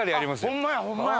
ホンマやホンマや！